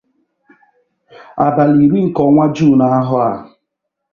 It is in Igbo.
abalị iri nke ọnwa June ahọ a